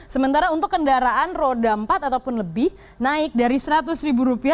sementara untuk kendaraan roda empat ataupun lebih naik dari rp seratus